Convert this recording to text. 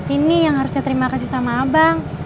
ini yang harusnya terima kasih sama abang